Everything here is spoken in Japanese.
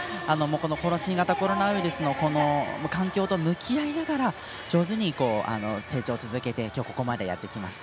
この新型コロナウイルスの環境と向き合いながら上手に成長を続けて今日ここまでやってきました。